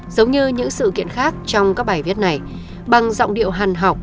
giống như những sự kiện khác trong các bài viết này bằng giọng điệu hàn học